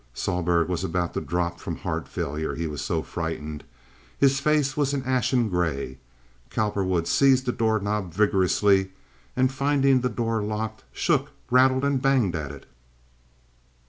Sohlberg was about to drop from heart failure, he was so frightened. His face was an ashen gray. Cowperwood seized the door knob vigorously and, finding the door locked, shook, rattled, and banged at it.